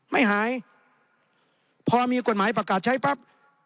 ไม่หายพอมีกฎหมายประกาศใช้ปั๊บ